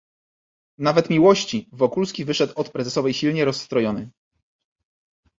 "Nawet miłości... Wokulski wyszedł od prezesowej silnie rozstrojony."